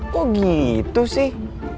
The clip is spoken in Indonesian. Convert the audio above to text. kok gitu sih